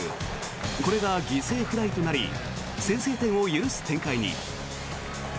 これが犠牲フライとなり先制点を許す展開に。